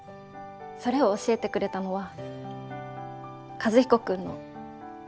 それを教えてくれたのは和彦君のお父さんでした。